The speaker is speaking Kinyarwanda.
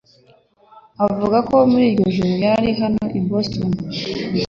avuga ko muri iryo joro yari hano i Boston